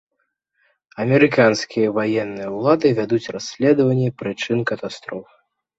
Амерыканскія ваенныя ўлады вядуць расследаванне прычын катастрофы.